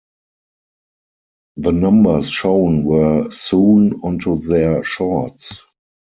The numbers shown were sewn onto their shorts.